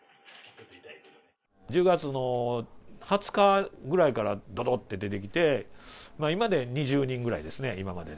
１０月の２０日ぐらいからどどって出てきて、今で２０人ぐらいですね、今までで。